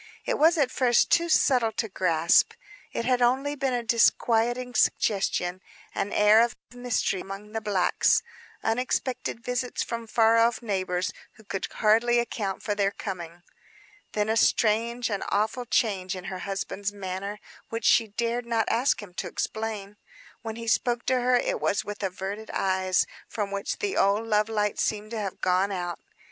It was at first too subtle to grasp. It had only been a disquieting suggestion; an air of mystery among the blacks; unexpected visits from far off neighbors who could hardly account for their coming. Then a strange, an awful change in her husband's manner, which she dared not ask him to explain. When he spoke to her, it was with averted eyes, from which the old love light seemed to have gone out.